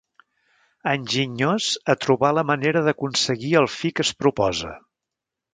Enginyós a trobar la manera d'aconseguir el fi que es proposa.